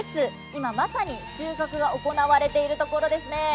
今まさに収穫が行われているところですね。